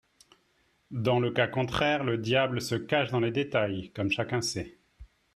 Dans le cas contraire, le diable se cache dans les détails, comme chacun sait.